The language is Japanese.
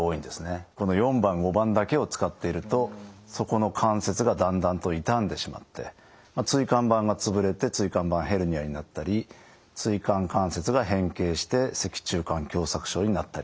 この４番５番だけを使っているとそこの関節がだんだんと傷んでしまって椎間板が潰れて椎間板へルニアになったり椎間関節が変形して脊柱管狭窄症になったり。